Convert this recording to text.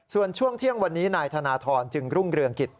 ส่วนช่วงเที่ยงวันนี้นายธนทรจึงรุ่งเรืองกิจ